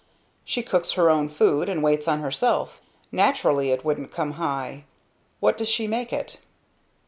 She cooks her own food and waits on herself naturally it wouldn't come high. What does she make it?"